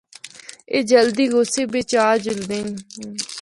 اے جلدی غصے بچ آ جلدے ہن۔